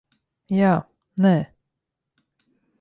Jā. Nē.